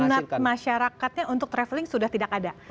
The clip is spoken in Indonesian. minat masyarakatnya untuk traveling sudah tidak ada